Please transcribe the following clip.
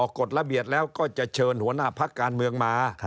กฎระเบียบแล้วก็จะเชิญหัวหน้าพักการเมืองมา